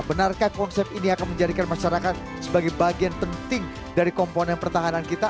benarkah konsep ini akan menjadikan masyarakat sebagai bagian penting dari komponen pertahanan kita